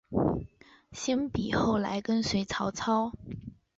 辛毗后来跟随曹操。